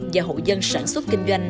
và hộ dân sản xuất kinh doanh